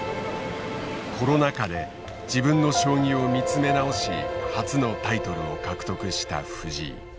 コロナ禍で自分の将棋を見つめ直し初のタイトルを獲得した藤井。